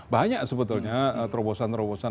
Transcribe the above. banyak sebetulnya terobosan terobosan